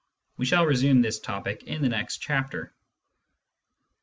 We shall resume this topic in the next chapter.